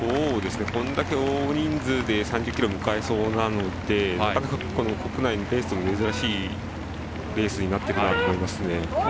これだけ大人数で３０ｋｍを迎えそうなので国内のレースでも難しいレースになっていると思いますね。